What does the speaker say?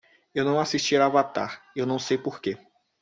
Eu não assisti Avatar, eu não sei porque.